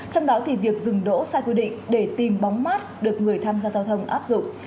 trong đó thì việc dừng đỗ sai quy định để tìm bóng mát được người tham gia giao thông áp dụng